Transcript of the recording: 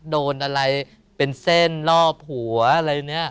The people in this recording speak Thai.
โดนอะไรเป็นเส้นรอบหัวอะไรเนี่ย